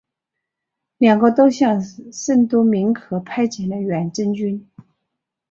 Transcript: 两国都向圣多明克派遣了远征军。